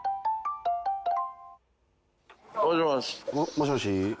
もしもし。